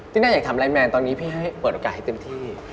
น่าอยากถามไลนแมนตอนนี้พี่ให้เปิดโอกาสให้เต็มที่